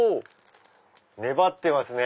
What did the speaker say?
粘ってますね。